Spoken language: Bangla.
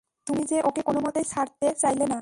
তুমি যে ওকে কোনোমতেই ছাড়তে চাইলে না।